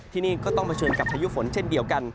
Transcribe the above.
ที่นี่ก็ต้องเผชิญกับพายุฝนเช่นเดียวกัน